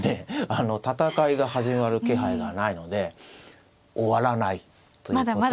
あの戦いが始まる気配がないので終わらないということになります。